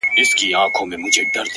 اوس له كندهاره روانـېـــږمه”